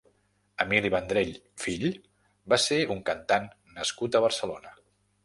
Emili Vendrell (fill) va ser un cantant nascut a Barcelona.